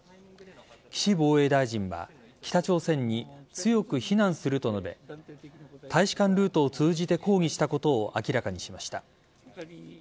岸防衛大臣は北朝鮮に強く非難すると述べ大使館ルートを通じて抗議したことを明らかにしました。